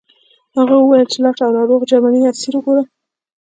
هغه وویل چې لاړ شه او ناروغ جرمنی اسیر وګوره